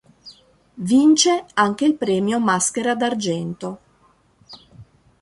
Vince anche il premio "Maschera d'argento".